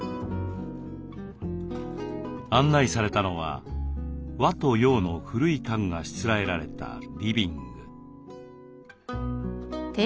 案内されたのは和と洋の古い家具がしつらえられたリビング。